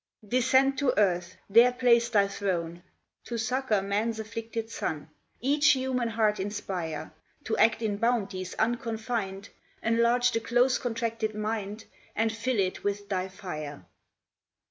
"Descend to earth, there place thy throne; "To succour man's afflicted son "Each human heart inspire: "To act in bounties unconfin'd "Enlarge the close contracted mind, "And fill it with thy fire."